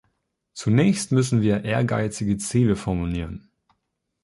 Zunächst müssen wir ehrgeizige Ziele formulieren.